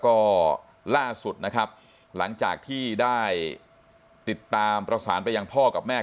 ก็ล่าสุดนะครับหลังจากที่ได้ติดตามประสานไปยังพ่อกับแม่